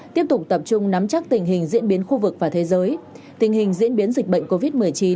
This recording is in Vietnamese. tiếp tục tập trung nắm chắc tình hình diễn biến khu vực và thế giới tình hình diễn biến dịch bệnh covid một mươi chín